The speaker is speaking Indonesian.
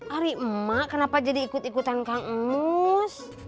ari mak kenapa jadi ikut ikutan kang emus